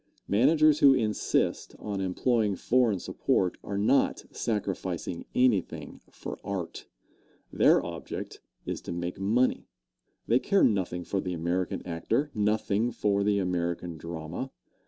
Managers who insist on employing foreign support are not sacrificing anything for art. Their object is to make money. They care nothing for the American actor nothing for the American drama.